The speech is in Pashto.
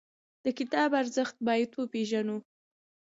د کتاب ارزښت باید وپېژنو.